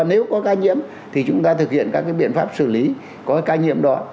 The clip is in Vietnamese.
nếu có ca nhiễm thì chúng ta thực hiện các biện pháp xử lý có cái ca nhiễm đó